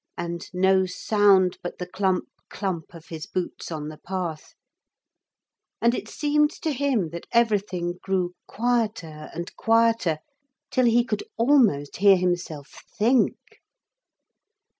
And no sound but the clump, clump of his boots on the path. And it seemed to him that everything grew quieter and quieter till he could almost hear himself think.